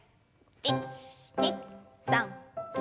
１２３４。